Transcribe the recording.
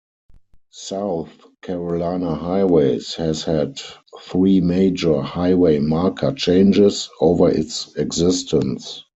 South Carolina Highways has had three major highway marker changes over its existence.